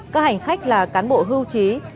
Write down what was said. các hành khách là cán bộ hưu trí